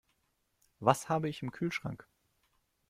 Was habe ich im Kühlschrank?